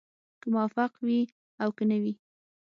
که موفق وي او که نه وي.